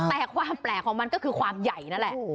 แต่ความแปลกของมันก็คือความใหญ่นั่นแหละ